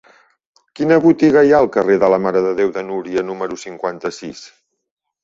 Quina botiga hi ha al carrer de la Mare de Déu de Núria número cinquanta-sis?